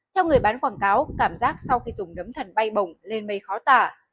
theo người bán quảng cáo cảm giác sau khi dùng nấm thần bay bồng lên mây khó tả